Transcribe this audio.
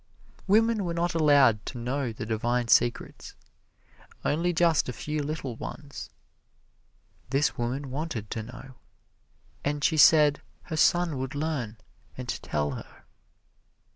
Women were not allowed to know the divine secrets only just a few little ones. This woman wanted to know, and she said her son would learn, and tell her.